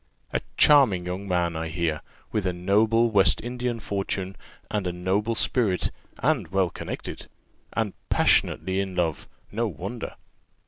A charming young man, I hear, with a noble West Indian fortune, and a noble spirit, and well connected, and passionately in love no wonder.